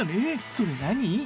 それ何？